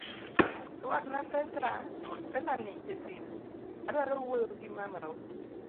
Ruakna pesani esimu adwaro wuoyo gi mamau.